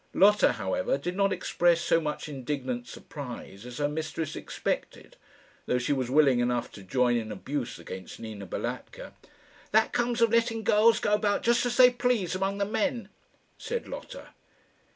Lotta, however, did not express so much indignant surprise as her mistress expected, though she was willing enough to join in abuse against Nina Balatka. "That comes of letting girls go about just as they please among the men," said Lotta.